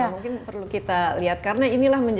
mungkin perlu kita lihat karena inilah